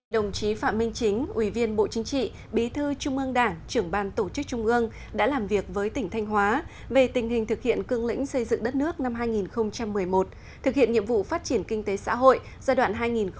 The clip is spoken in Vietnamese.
đồng chí phạm minh chính ủy viên bộ chính trị bí thư trung ương đảng trưởng ban tổ chức trung ương đã làm việc với tỉnh thanh hóa về tình hình thực hiện cương lĩnh xây dựng đất nước năm hai nghìn một mươi một thực hiện nhiệm vụ phát triển kinh tế xã hội giai đoạn hai nghìn một mươi một hai nghìn một mươi một